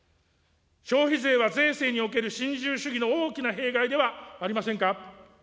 消費税が税制における新自由主義の大きな弊害ではありませんか。